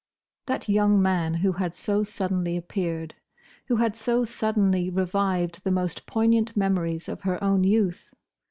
That young man who had so suddenly appeared: who had so suddenly revived the most poignant memories of her own youth!